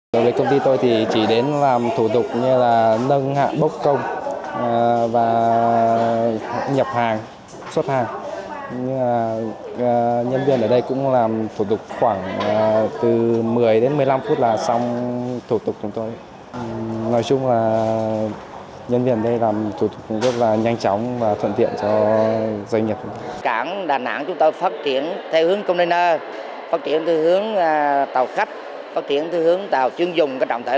đối với công ty tôi thì chỉ đến làm thủ tục như là nâng hạ bốc công và nhập hàng xuất hàng nhân viên ở đây cũng làm thủ tục khoảng từ một mươi đến một mươi năm phút là xong thủ tục của tôi